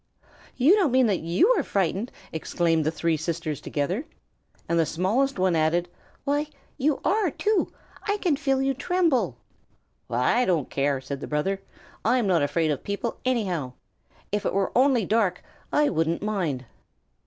"You don't mean that you are frightened!" exclaimed the three sisters together. And the smallest one added: "Why, you are, too! I can feel you tremble." "Well, I don't care," said the brother. "I'm not afraid of people, anyhow. If it were only dark I wouldn't mind."